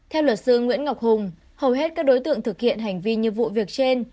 theo luật sư nguyễn ngọc hùng hầu hết các đối tượng thực hiện hành vi như vụ việc trên